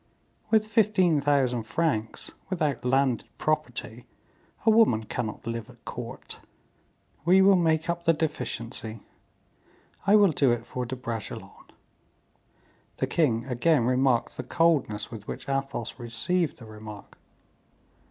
With fifteen thousand francs, without landed property, a woman cannot live at court. We will make up the deficiency; I will do it for De Bragelonne." The king again remarked the coldness with which Athos received the remark.